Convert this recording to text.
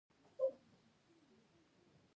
په افغانستان کې کوچیان په پراخه کچه شتون لري.